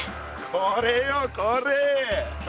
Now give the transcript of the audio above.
これよこれ！